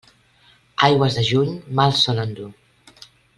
Aigües de juny, mals solen dur.